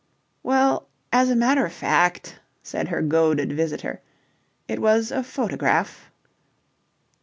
"Well, as a matter of fact," said her goaded visitor, "It was a photograph."